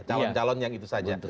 calon calon yang itu saja